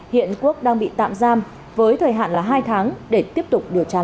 hiện quốc đang bị tạm giam với thời hạn là hai tháng để tiếp tục điều tra làm rõ